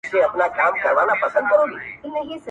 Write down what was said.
چي به مو ژغوري له بلاګانو!!